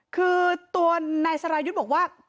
คือตัวนายสรายุทธ์บอกว่า